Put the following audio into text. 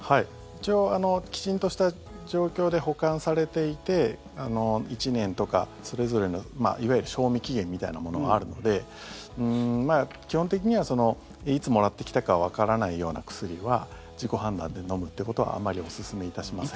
一応、きちんとした状況で保管されていて１年とかそれぞれの、いわゆる賞味期限みたいなものがあるので基本的には、いつもらってきたかわからないような薬は自己判断で飲むってことはあまりおすすめいたしません。